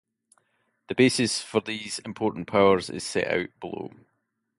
The basis for these important powers is set out below.